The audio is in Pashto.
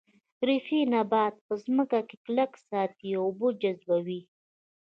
ریښې نبات په ځمکه کې کلک ساتي او اوبه جذبوي